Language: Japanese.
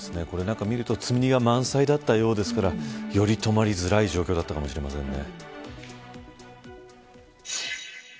積み荷が満載だったようですからより止まりづらい状況だったかもしれませんね。